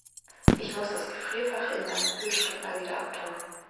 Ich muss das Gefrierfach in meinem Kühlschrank mal wieder abtauen.